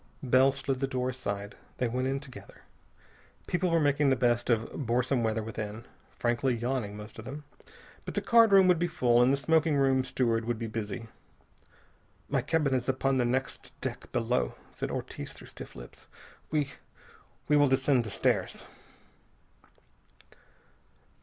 Bell slid the door aside. They went in together. People were making the best of boresome weather within, frankly yawning, most of them. But the card room would be full, and the smoking room steward would be busy. "My cabin is upon the next deck below," said Ortiz through stiff lips. "We we will descend the stairs."